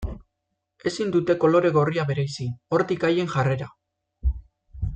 Ezin dute kolore gorria bereizi, hortik haien jarrera.